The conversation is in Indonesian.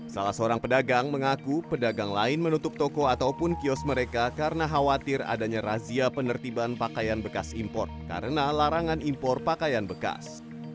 salah seorang pedagang mengaku pedagang lain menutup toko ataupun kios mereka karena khawatir adanya razia penertiban pakaian bekas impor karena larangan impor pakaian bekas